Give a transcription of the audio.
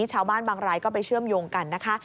ชาวบ้านบางรายก็ไปเชื่อมโยงกันนะคะ